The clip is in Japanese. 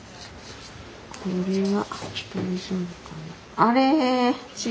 これは。